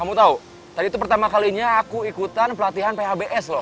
kamu tahu tadi itu pertama kalinya aku ikutan pelatihan phbs loh